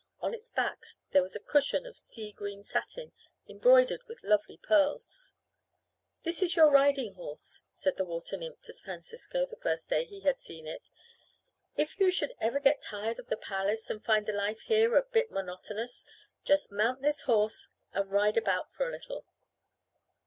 On its back there was a cushion of seagreen satin embroidered with lovely pearls. "This is your riding horse," said the water nymph to Francisco the first day he had seen it. "If you should ever get tired of the palace and find the life here a bit monotonous, just mount this horse and ride about for a little."